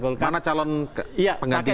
mana calon penggantinya